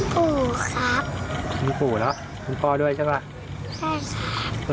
ผู้ครับมีผู้แล้วมีพ่อด้วยใช่ไหมใช่ครับ